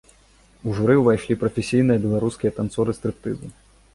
У журы ўвайшлі прафесійныя беларускія танцоры стрыптызу.